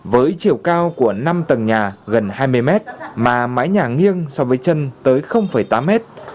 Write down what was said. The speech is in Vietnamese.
với chiều cao của năm tầng nhà gần hai mươi mét mà mái nhà nghiêng so với chân tới tám mét